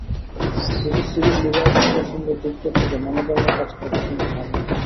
British civil লিবার্টিজের সঙ্গে যুক্ত থেকে নানা ধরনের কাজ করছেন শামি।